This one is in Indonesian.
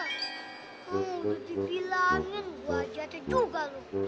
oh udah dibilangin gue jatuh juga lo